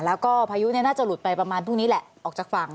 แล้วก็พายุน่าจะหลุดไปประมาณพรุ่งนี้แหละออกจากฝั่ง